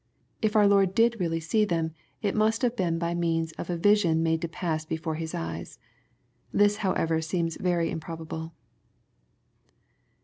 If our Lord did really see them, it must have been by means of a vision made to pass before His eyes. This howevw aeems very improbable.